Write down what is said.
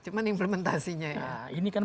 cuman implementasinya ya nah ini kan